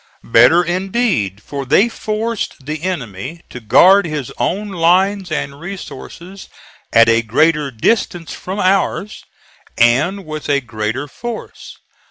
Better indeed, for they forced the enemy to guard his own lines and resources at a greater distance from ours, and with a greater force.